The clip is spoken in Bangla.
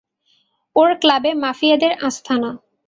ওর ক্লাবে মাফিয়াদের আস্তানা।